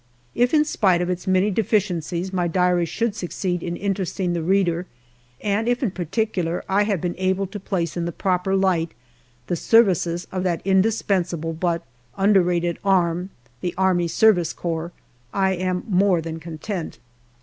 If in spite of its many deficiencies my diary should succeed in interesting the reader, and if, in particular, I have been able to place in the proper light the services of that indispensable but underrated arm, the A.S.C., I am more than content.